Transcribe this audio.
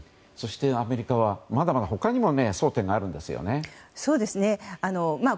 アメリカはまだまだ争点があるんですよね。